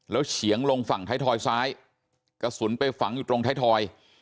แล้วเฉียงลงฝั่งไทยทอยซ้ายกระสุนไปฝังอยู่ตรงท้ายทอย